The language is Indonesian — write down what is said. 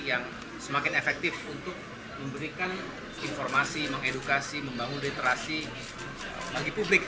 dan semakin efektif untuk memberikan informasi mengedukasi membangun literasi bagi publik